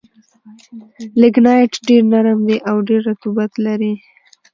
لېګنایټ ډېر نرم دي او ډېر رطوبت لري.